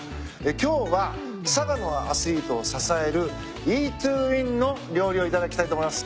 今日は佐賀のアスリートを支えるＥＡＴＴＯＷＩＮの料理を頂きたいと思います。